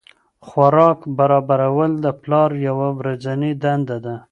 خوراک برابرول د پلار یوه ورځنۍ دنده ده.